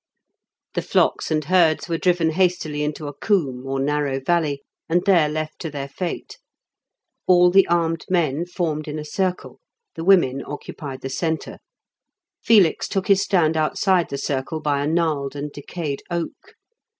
The flocks and herds were driven hastily into a coombe, or narrow valley, and there left to their fate. All the armed men formed in a circle; the women occupied the centre. Felix took his stand outside the circle by a gnarled and decayed oak.